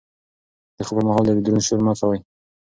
د خوب پر مهال دروند شور مه کوئ.